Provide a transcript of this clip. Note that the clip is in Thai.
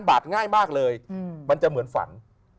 มีคุณค์แรงง่ายมากเลยมันจะเหมือนฝัน